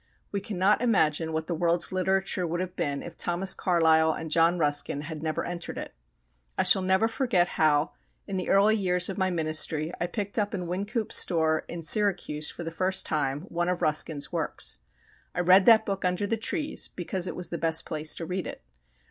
We cannot imagine what the world's literature would have been if Thomas Carlyle and John Ruskin had never entered it. I shall never forget how in the early years of my ministry I picked up in Wynkoop's store, in Syracuse, for the first time, one of Ruskin's works. I read that book under the trees, because it was the best place to read it.